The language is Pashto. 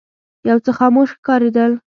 یو څه خاموش ښکارېدل.